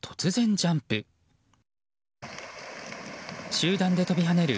集団で飛び跳ねる